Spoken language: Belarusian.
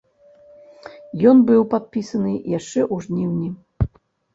Ён быў падпісаны яшчэ ў жніўні.